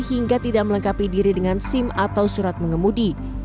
hingga tidak melengkapi diri dengan sim atau surat mengemudi